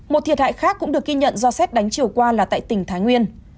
một thiệt hại khác cũng được ghi nhận do xét đánh chiều qua là tại tỉnh thái nguyên